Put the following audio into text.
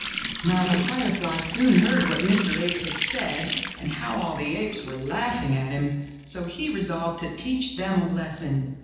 Now the firefly soon heard what Mr. Ape had said, and how all the apes were laughing at him, so he resolved to teach them a lesson.